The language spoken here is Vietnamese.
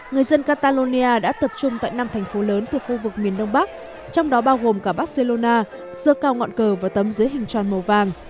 người dân catalonia đã tập trung tại năm thành phố lớn thuộc khu vực miền đông bắc trong đó bao gồm cả barcelona dơ cao ngọn cờ và tấm dưới hình tròn màu vàng